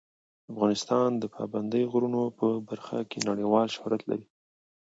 افغانستان د پابندي غرونو په برخه کې نړیوال شهرت لري.